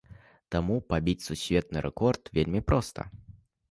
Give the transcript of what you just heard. Таму пабіць сусветны рэкорд вельмі проста.